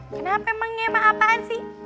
kenapa emang ngema apaan sih